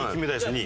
２位。